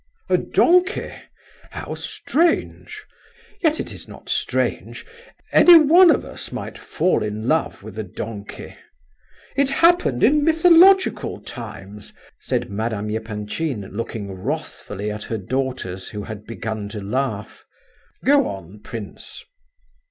"A donkey? How strange! Yet it is not strange. Anyone of us might fall in love with a donkey! It happened in mythological times," said Madame Epanchin, looking wrathfully at her daughters, who had begun to laugh. "Go on, prince."